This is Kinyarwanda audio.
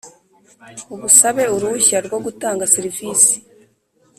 Usaba uruhushya rwo gutanga serivisi